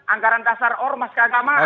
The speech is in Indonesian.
anggaran dasar ormas keagamaan